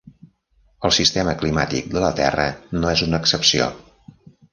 El sistema climàtic de la terra no és una excepció.